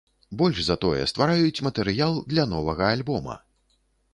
Больш за тое, ствараюць матэрыял для новага альбома!